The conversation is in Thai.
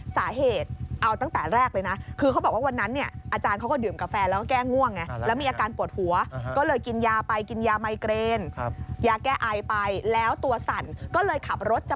สาเหตุเอาตั้งแต่แรกเลยนะ